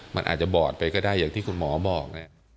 มันอาจจะบอดไปก็ได้อย่างที่คุณหมอบอก